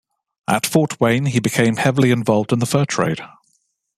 At Fort Wayne, he became heavily involved in the fur trade.